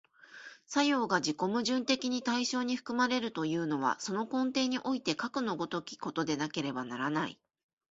作用が自己矛盾的に対象に含まれるというのは、その根底においてかくの如きことでなければならない。